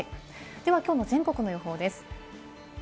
ではきょうの全国の予報です。